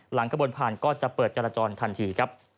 หลังกระบวนผ่านก็จะเปิดจราจรทันที